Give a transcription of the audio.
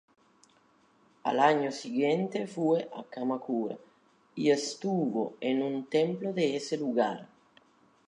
Al año siguiente fue a Kamakura y estuvo en un templo de ese lugar.